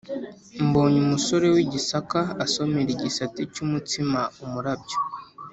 Mbonye umusore w'i Gisaka asomera igisate cy'umutsima-Umurabyo.